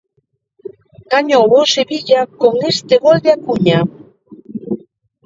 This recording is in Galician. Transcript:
Gañou o Sevilla con este gol de Acuña.